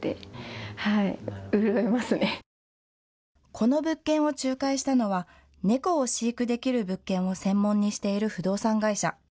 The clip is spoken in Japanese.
この物件を仲介したのは猫を飼育できる物件を専門にしている不動産会社。